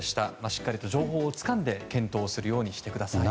しっかりと情報をつかんで検討するようにしてください。